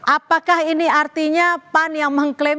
apakah ini artinya pan yang mengklaim